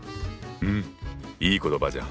うんいい言葉じゃん。